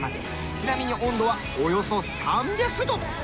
ちなみに温度はおよそ３００度。